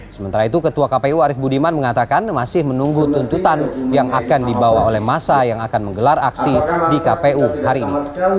sementara itu ketua kpu arief budiman mengatakan masih menunggu tuntutan yang akan dibawa oleh masa yang akan menggelar aksi di kpu hari ini